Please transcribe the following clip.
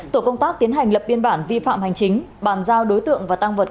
tổ công tác tiến hành lập biên bản vi phạm hành chính bàn giao đối tượng và tăng vật